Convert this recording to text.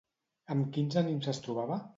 Amb quins ànims es trobava?